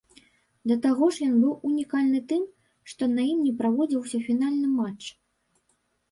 Да таго ж ён быў унікальны тым, што на ім не праводзіўся фінальны матч.